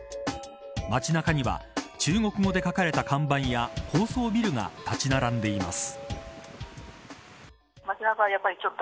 街中には中国語で書かれた看板や高層ビルが建ち並んでいます。